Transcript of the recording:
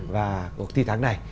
và cuộc thi tháng này